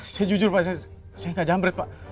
saya jujur pak saya nggak jamret pak